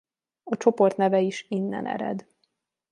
A csoport neve is innen ered.